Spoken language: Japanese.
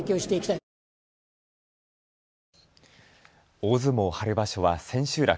大相撲春場所は千秋楽。